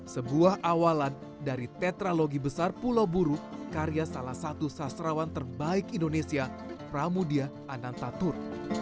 sebuah awalan dari tetralogi besar pulau buruk karya salah satu sastrawan terbaik indonesia pramudia anantatur